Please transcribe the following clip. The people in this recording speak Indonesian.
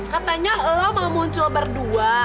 katanya lo mau muncul berdua